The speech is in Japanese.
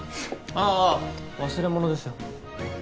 あぁ忘れ物ですよ。